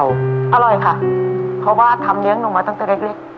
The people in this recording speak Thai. อร่อยค่ะเพราะว่าทำเลี้ยงหนูมาตั้งแต่เล็ก